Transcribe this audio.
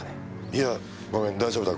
いやごめん大丈夫だ